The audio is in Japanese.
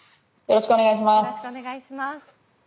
よろしくお願いします。